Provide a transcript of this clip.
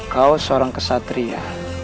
kau seorang kesatria